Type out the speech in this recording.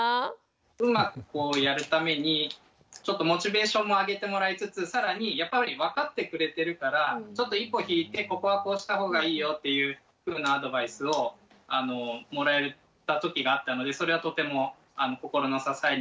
うまくやるためにちょっとモチベーションも上げてもらいつつ更にやっぱり分かってくれてるからちょっと一歩引いてここはこうした方がいいよというふうなアドバイスをもらえた時があったのでそれはとても心の支えになりました。